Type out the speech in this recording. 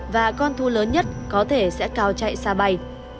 và con thu lớn nhất có thể sẽ cao chạy xa bay